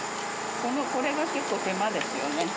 このこれが結構手間ですよね。